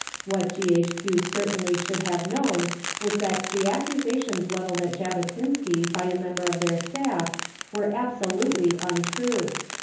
What G.H.Q. certainly should have known was that the accusations levelled at Jabotinsky by a member of their Staff were absolutely untrue.